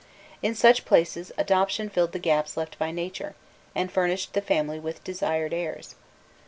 In such places adoption filled the gaps left by nature, and furnished the family with desired heirs.